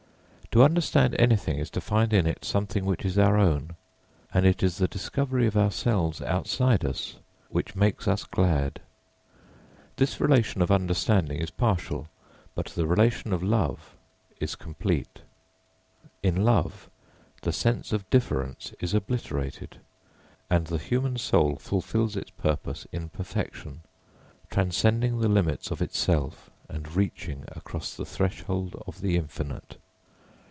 To understand anything is to find in it something which is our own, and it is the discovery of ourselves outside us which makes us glad. This relation of understanding is partial, but the relation of love is complete. In love the sense of difference is obliterated and the human soul fulfils its purpose in perfection, transcending the limits of itself and reaching across the threshold of the infinite.